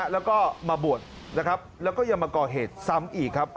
แล้วก็มาบวชนะครับแล้วก็ยังมาก่อเหตุซ้ำอีกครับ